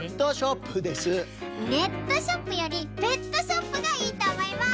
ネットショップよりペットショップがいいとおもいます！